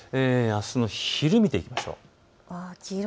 あすの昼を見ていきましょう。